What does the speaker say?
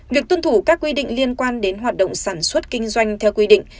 việc tuân thủ các quy định liên quan đến hoạt động sản xuất kinh doanh theo quy định